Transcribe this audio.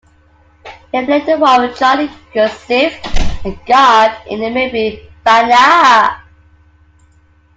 He played the role of Jolly Good Singh, a guard, in the movie "Fanaa".